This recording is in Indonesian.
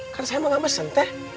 kan saya mau gak mesen teh